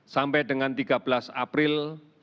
sampai dengan tiga belas april